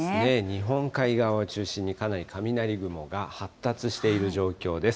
日本海側を中心にかなり雷雲が発達している状況です。